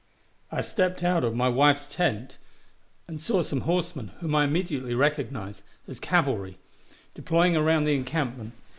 I stepped out of my wife's tent and saw some horsemen, whom I immediately recognized as cavalry, deploying around the encampment.